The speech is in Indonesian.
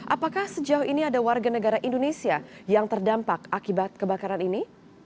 apakah sejauh ini ada warga negara indonesia yang terdampak akibat kebakaran ini